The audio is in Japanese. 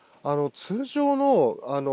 通常の。